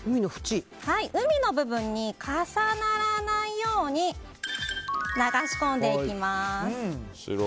海の部分に重ならないように流し込んでいきます。